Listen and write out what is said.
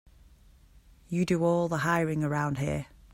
You do all the hiring around here.